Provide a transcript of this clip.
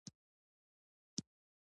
د کوریر شرکتونه فعال دي؟